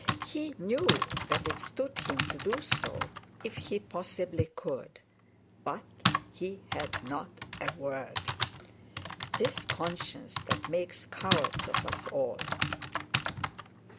He knew that it stood him to do so if he possibly could; but he said not a word. ''Tis conscience that makes cowards of us all.'